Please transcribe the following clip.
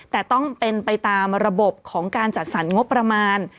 แต่ต้องเป็นไปตามระบบของการจัดสรรงบประมาณ